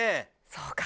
そうか！